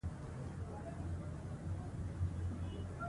اداري اصلاحات باید عملي بڼه ولري نه یوازې ژمنې